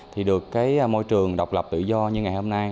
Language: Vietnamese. thì được cái môi trường độc lập tự do như ngày hôm nay